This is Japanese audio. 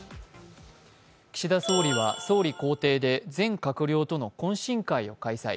岸田総理は総理公邸で全閣僚との懇親会を開催。